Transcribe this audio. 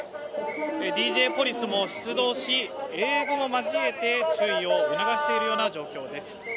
ＤＪポリスも出動し、英語も交えて注意を促している状況です。